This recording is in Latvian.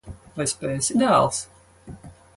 Vai spēsi, dēls?